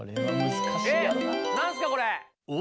えっ何すかこれ！